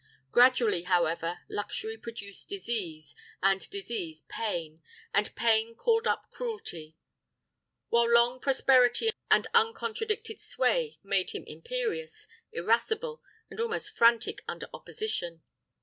Gradually, however, luxury produced disease, and disease pain, and pain called up cruelty; while long prosperity and uncontradicted sway made him imperious, irascible, and almost frantic under opposition.